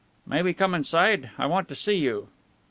"May we come inside? I want to see you."